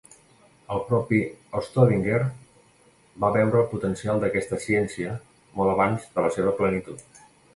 El propi Staudinger va veure el potencial d'aquesta ciència molt abans de la seva plenitud.